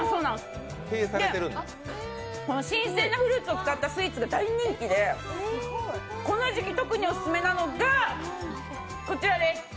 新鮮なフルーツを使ったスイーツが大人気で、この時期、特にオススメなのがこちらです。